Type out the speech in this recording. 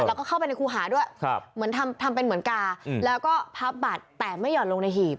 แล้วก็เข้าไปในครูหาด้วยเหมือนทำเป็นเหมือนกาแล้วก็พับบัตรแต่ไม่ห่อนลงในหีบ